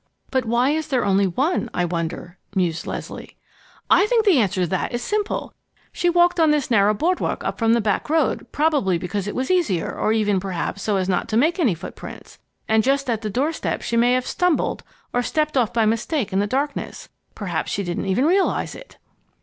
"But why is there only one, I wonder?" mused Leslie. "I think the answer to that is simple. She walked on this narrow board walk up from the back road, probably because it was easier, or, even perhaps, so as not to make any footprints. And just at the doorstep she may have stumbled, or stepped off by mistake in the darkness. Perhaps she didn't even realize it."